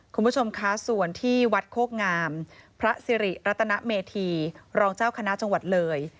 คุณผู้ชมคะส่วนที่วัดโคกงามพระสิริรัตนเมธีรองเจ้าคณะจังหวัดเลย